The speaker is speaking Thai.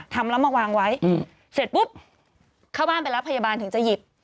ทำแล้วมาวางไว้เสร็จปุ๊บเข้าบ้านไปรับพยาบาลถึงจะหยิบ